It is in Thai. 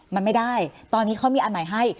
มันไม่ได้ตอนนี้เขามีอันไหนให้